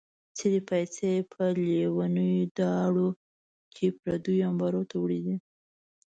څېرې پایڅې یې په لیونیو داړو کې پردو امبارو ته وړې دي.